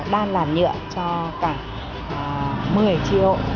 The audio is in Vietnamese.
đan làn nhựa cho cả một mươi triệu